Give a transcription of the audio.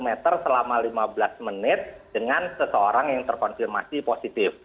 dalam jarak kurang dari satu meter selama lima belas menit dengan seseorang yang terkonfirmasi positif